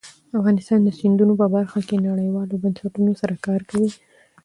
افغانستان د سیندونه په برخه کې نړیوالو بنسټونو سره کار کوي.